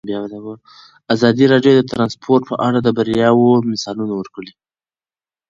ازادي راډیو د ترانسپورټ په اړه د بریاوو مثالونه ورکړي.